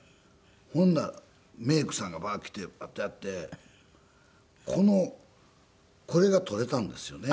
ほんならメイクさんがバーッ来てパッとやってこのこれが取れたんですよね。